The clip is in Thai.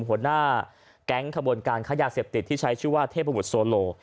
หัวหน้าแก๊งขบวนการค้ายาเสพติดที่ใช้ชื่อว่าเทพบุตรโซโล